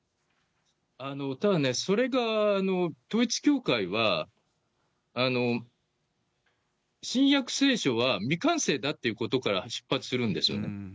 ただね、それが統一教会は、新訳聖書は未完成だっていうことから出発するんですよね。